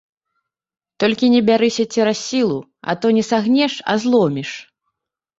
Толькі не бярыся цераз сілу, а то не сагнеш, а зломіш.